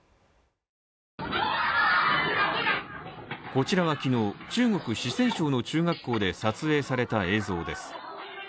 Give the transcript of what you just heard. こちらは昨日、中国・四川省の中学校で撮影された映像です。